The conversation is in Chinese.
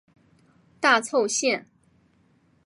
大凑线。